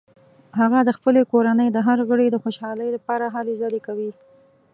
هغه د خپلې کورنۍ د هر غړي د خوشحالۍ لپاره هلې ځلې کوي